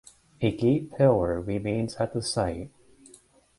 A gate pillar remains at the site.